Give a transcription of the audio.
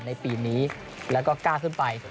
ในปีนี้แล้วก็กล้าขึ้นไป